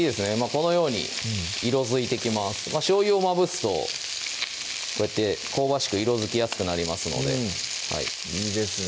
このように色づいてきますしょうゆをまぶすとこうやって香ばしく色づきやすくなりますのでいいですね